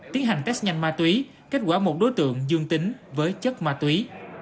tiến hành test nhanh ma túy kết quả một đối tượng dương tính với chất ma túy